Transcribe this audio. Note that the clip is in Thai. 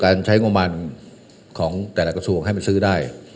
การใช้โงงมารของแต่ละกระทรวงให้มันซื้อได้